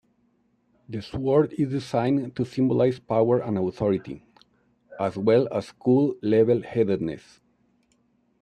The sword is designed to symbolize power and authority, as well as cool level-headedness.